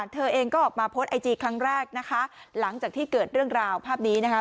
เธอเองก็ออกมาโพสต์ไอจีครั้งแรกนะคะหลังจากที่เกิดเรื่องราวภาพนี้นะคะ